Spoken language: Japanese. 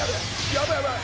やばいやばい！